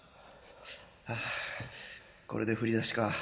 ハァこれで振り出しか